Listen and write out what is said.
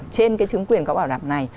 trên cái chứng quyền có bảo đảm này